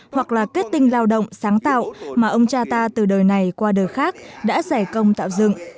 hoặc là kết tinh lao động sáng tạo mà ông cha ta từ đời này qua đời khác đã giải công tạo dựng